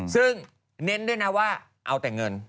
ซึ่งเน้นด้วยนะว่าเอาแต่เงิน